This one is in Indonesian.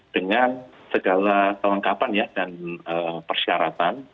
dengan segala kelengkapan dan persyaratan